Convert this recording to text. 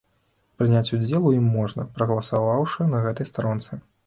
Прыняць удзел у ім можна, прагаласаваўшы на гэтай старонцы.